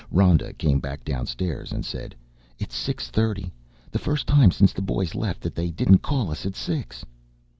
Rhoda came back downstairs and said, "It's six thirty. The first time since the boys left that they didn't call us at six."